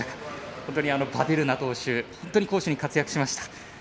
本当にヴァデルナ投手攻守に活躍しました。